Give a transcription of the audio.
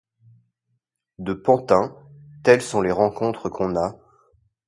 De Pantin, telles sont les rencontres qu'on a